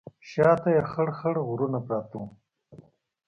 شا ته یې خړ خړ غرونه پراته وو.